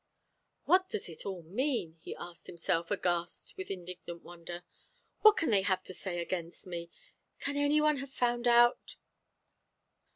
"What does it all mean?" he asked himself, aghast with indignant wonder. "What can they have to say against me? Can any one have found out